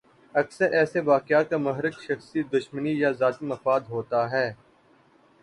اکثر ایسے واقعات کا محرک شخصی دشمنی یا ذاتی مفاد ہوتا ہے۔